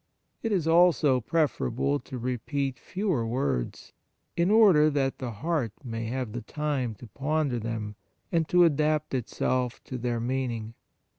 It is also preferable to repeat fewer words, in order that the heart may have the time to ponder them and to adapt itself to their meaning.